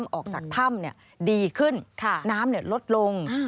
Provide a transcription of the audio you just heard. สวัสดีค่ะสวัสดีค่ะ